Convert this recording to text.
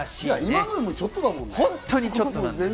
今のでも、ちょっとだもんね。